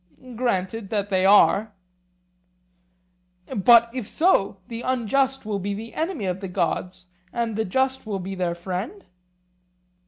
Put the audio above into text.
Granted that they are. But if so, the unjust will be the enemy of the gods, and the just will be their friend?